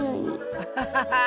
アハハハ！